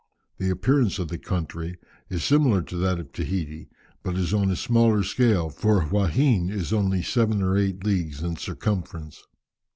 The appearance of the country is similar to that of Tahiti, but is on a smaller scale, for Huaheine is only seven or eight leagues in circumference.